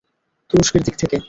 তুরস্কের দিক থেকে।